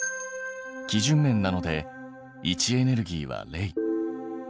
基準面なので位置エネルギーは０。